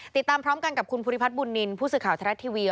ติดตามพร้อมกันกับคุณภูริพัฒนบุญนินทร์ผู้สื่อข่าวทรัฐทีวี